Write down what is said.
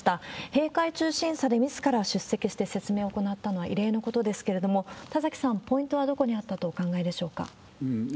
閉会中審査でみずから出席して説明を行ったのは異例のことですけれども、田崎さん、ポイントはどこにあったとお考えでしょうか？